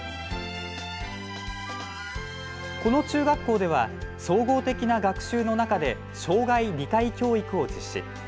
この中学校では総合的な学習の中で障害理解教育を実施。